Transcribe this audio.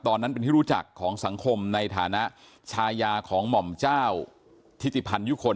ตอนนั้นเป็นที่รู้จักของสังคมในฐานะชายาของหม่อมเจ้าทิติพันยุคล